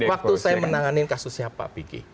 waktu saya menanganin kasus siapa bg